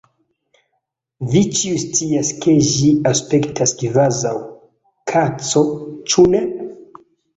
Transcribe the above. Vi ĉiuj scias ke ĝi aspektas kvazaŭ kaco, ĉu ne?